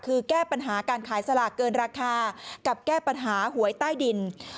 คือแก้ปัญหาการขายสลากเกินราคากับแก้ปัญหาหวยใต้ดิน